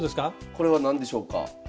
これは何でしょうか？